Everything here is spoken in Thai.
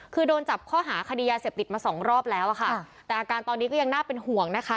คือโดนจับข้อหาคดียาเสพติดมาสองรอบแล้วอะค่ะแต่อาการตอนนี้ก็ยังน่าเป็นห่วงนะคะ